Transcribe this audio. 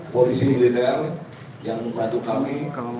polisi militer yang membantu kami